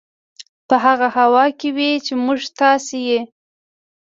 په هغه هوا کې وي چې موږ تاسې یې